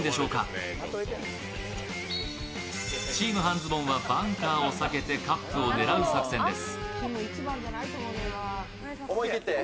チーム半ズボンはバンカーを避けてカップを狙う作戦です。